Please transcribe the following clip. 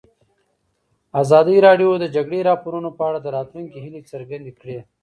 ازادي راډیو د د جګړې راپورونه په اړه د راتلونکي هیلې څرګندې کړې.